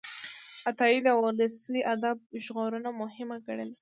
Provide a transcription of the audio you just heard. عطایي د ولسي ادب ژغورنه مهمه ګڼله.